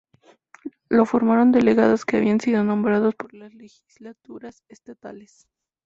Lo formaron delegados que habían sido nombrados por las legislaturas estatales.